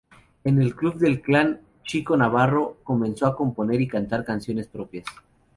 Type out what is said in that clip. En el Club del Clan, Chico Novarro comenzó a componer y cantar canciones propias.